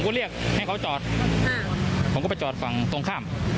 ก็เรียกให้เขาจอดผมก็ไปจอดฝั่งตรงข้าม